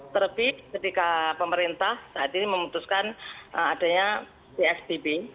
terlebih ketika pemerintah saat ini memutuskan adanya psbb